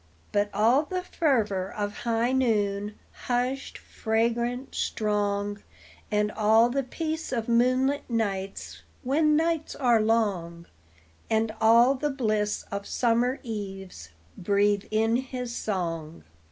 But all the fervor of high noon, Hushed, fragrant, strong, And all the peace of moonlit nights When nights are long, And all the bliss of summer eves, Breathe in his song.